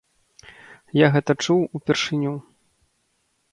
Я гэта чуў упершыню.